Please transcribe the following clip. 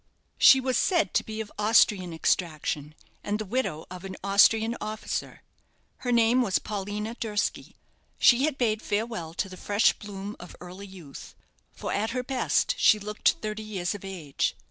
She was said to be of Austrian extraction, and the widow of an Austrian officer. Her name was Paulina Durski. She had bade farewell to the fresh bloom of early youth; for at her best she looked thirty years of age.